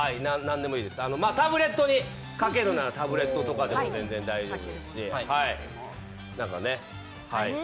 タブレットにかけるならタブレットでも大丈夫です。